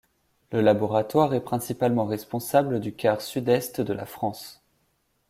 Le laboratoire est principalement responsable du quart sud-est de la France.